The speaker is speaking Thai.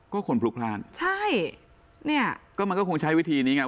ก็คนพลุกพลาดใช่เนี่ยก็มันก็คงใช้วิธีนี้ไง